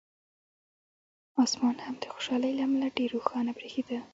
اسمان هم د خوشالۍ له امله ډېر روښانه برېښېده.